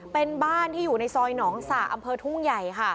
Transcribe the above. เป็นบ้านที่อยู่ในซอยหนองสระอำเภอทุ่งใหญ่ค่ะ